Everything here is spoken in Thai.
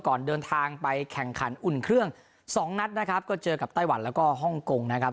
ก่อนเดินทางไปแข่งขันอุ่นเครื่องสองนัดนะครับก็เจอกับไต้หวันแล้วก็ฮ่องกงนะครับ